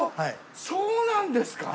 そうなんですか。